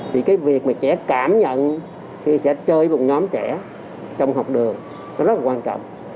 thì cái việc mà trẻ cảm nhận khi sẽ chơi một nhóm trẻ trong học đường nó rất là quan trọng